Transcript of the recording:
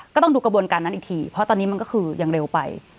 ต้องดูกระบวนการนั้นอีกทีเพราะตอนนี้มันก็คือยังเร็วไป